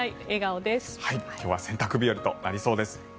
今日は洗濯日和となりそうです。